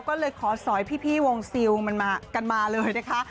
ก็เลยขอสอยพี่วงซิลมันกันมาเลยนะคะ